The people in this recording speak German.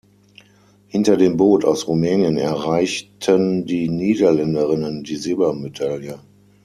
Hinter dem Boot aus Rumänien erreichten die Niederländerinnen die Silbermedaille.